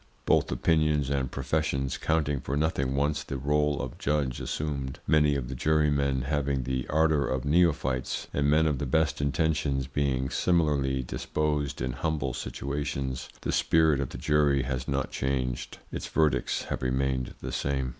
... Both opinions and professions counting for nothing once the role of judge assumed, many of the jurymen having the ardour of neophytes, and men of the best intentions being similarly disposed in humble situations, the spirit of the jury has not changed: ITS VERDICTS HAVE REMAINED THE SAME."